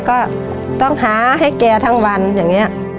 ก็ต้องหาให้แกทั้งวัน